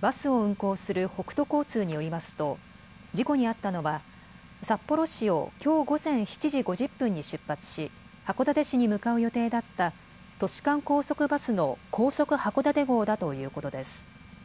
バスを運行する北都交通によりますと事故に遭ったのは札幌市をきょう午前７時５０分に出発し函館市に向かう予定だった都市間高速バスの高速はこだて号だということです。